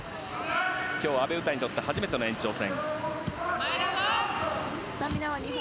今日、阿部詩にとって初めての延長戦。